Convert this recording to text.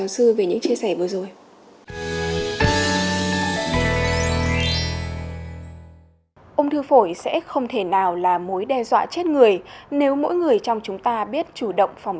xin cảm ơn phó giáo sư về những chia sẻ vừa rồi